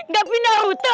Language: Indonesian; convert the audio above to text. gak pindah rute